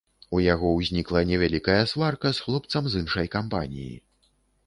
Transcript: У яго ўзнікла невялікая сварка з хлопцам з іншай кампаніі.